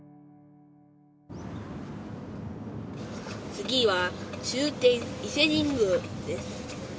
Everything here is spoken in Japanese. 次は終点伊勢神宮です。